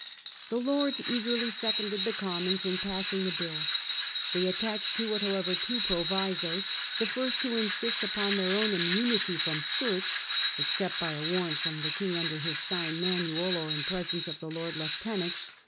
The Lords eagerly seconded the Commons in passing the bill. They attached to it however two provisos : the The Lords' first to insisL upon their own immunity from provisos. search, except by a warrant from the King under his sign manual, or in presence of the lord lieu tenant.